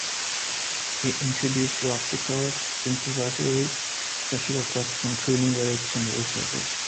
It introduced rock guitars, synthesizer loops, special effects, and crooning lyrics and voice overs.